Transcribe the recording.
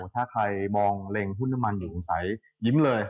ถ้าใครมองเล็งหุ้นน้ำมันอยู่คุณสัยยิ้มเลย